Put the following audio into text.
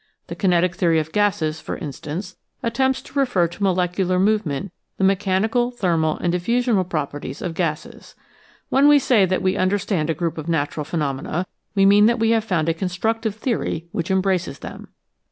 The kinetic theory of gases, for instance, attempts to refer to molecular movement the mechanical, thermal, and diffusional properties of gases. When we say that we understand a group of natural phenomena, we mean that we have found a constructive theory which embraces them.